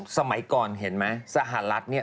สมัยก่อนเห็นไหมสหรัฐเนี่ย